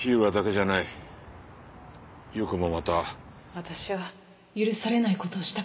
私は許されない事をしたから。